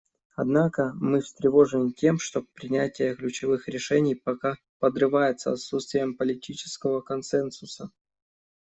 Однако мы встревожены тем, что принятие ключевых решений пока подрывается отсутствием политического консенсуса.